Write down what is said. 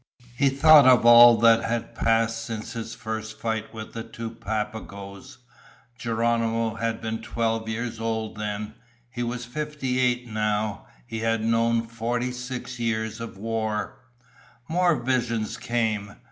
He thought of all that had passed since his first fight with the two Papagoes. Geronimo had been twelve years old then. He was fifty eight now. He had known forty six years of war. More visions came.